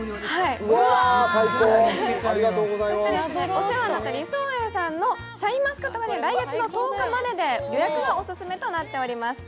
お世話になった理想園さんのシャインマスカット狩りは来月の１０日までで、予約がオススメとなっております。